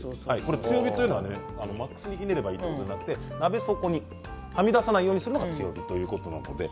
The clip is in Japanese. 強火というのはマックスではなくて鍋底にはみ出さないようにするのが強火ということです。